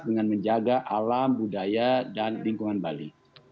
dengan menjaga alam budaya dan lingkungan bali